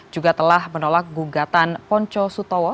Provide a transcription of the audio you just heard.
juga telah menolak gugatan ponco sutowo